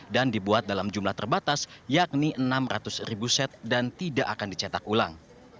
dan dibuat dalam jumlah terbatas yakni enam ratus ribu set dan tidak akan dicetak ulang